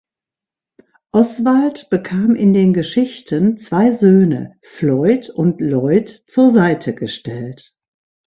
Oswald bekam in den Geschichten zwei Söhne, Floyd und Lloyd, zur Seite gestellt.